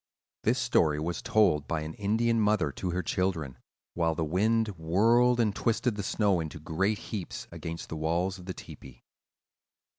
This story was told by an Indian mother to her children, while the wind whirled and twisted the snow into great heaps against the walls of the tepee.